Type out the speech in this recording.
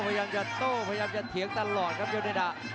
พยายามจะเข้าเจอทานลอร์ดครับเยอร์เนด่า